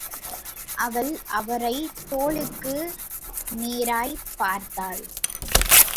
அவள், அவரைத் தோளுக்கு நேராய்ப் பார்த்தாள்.